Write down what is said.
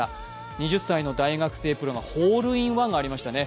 ２０歳の大学生プロのホールインワンがありましたね。